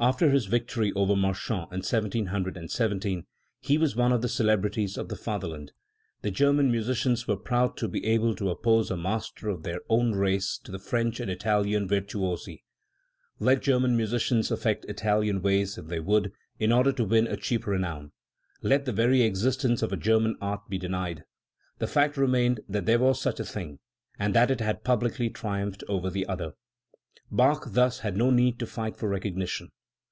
After his victory over Marchand in 1717 he was one of the celebrities of .the fatherland. The German musicians were proud to be able * Forkel, pp. 9, 10. Schweitzer, Bach. 12 178 X. Artistic Journeys, Critics and Friends. to oppose a master of their own race to the French and Italian virtuosi. Let German musicians affect^ Italian ways if they would, in order to win a cheap renown*, let the very existence of a German art be denied; the fact remained that there was such a thing, and that it had publicly tri umphed over the other. Bach thus had no need to fight for recognition.